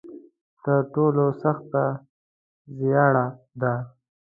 تر ټولو سخته زیاړه ده.